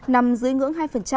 nằm dưới ngưỡng hai